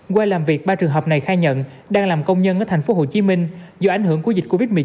qua làm việc ba trường hợp này khai nhận đang làm công nhân ở tp hcm do ảnh hưởng của dịch covid một mươi chín